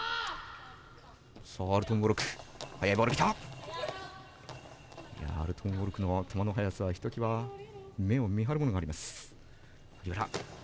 アルトゥンオルクの球の速さはひときわ目を見張るものがあります。